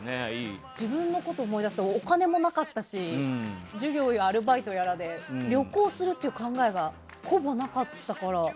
自分のことを思い出すとお金もなかったし授業やアルバイトやらで旅行するという考えがほぼなかったから。